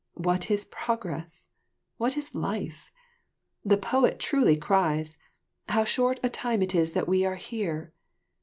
What is progress? What is life? The poet truly cries: "How short a time it is that we are here!